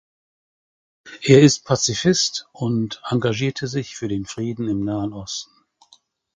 Er ist Pazifist und engagierte sich für den Frieden im Nahen Osten.